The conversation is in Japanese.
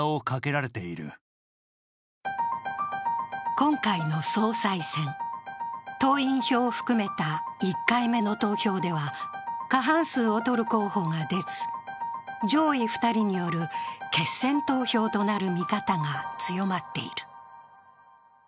今回の総裁選、党員票を含めた１回目の投票では、過半数を取る候補が出ず、上位２人による決選投票となる見方が強まっている。